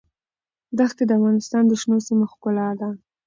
ښتې د افغانستان د شنو سیمو ښکلا ده.